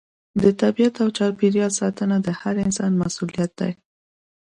د طبیعت او چاپیریال ساتنه د هر انسان مسؤلیت دی.